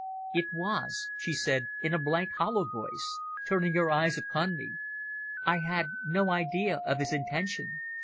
"It was," she said in a blank, hollow voice, turning her eyes upon me. "I had no idea of his intention.